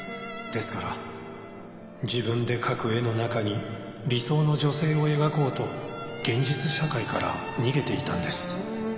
「ですから自分で描く絵の中に理想の女性を描こうと現実社会から逃げていたんです」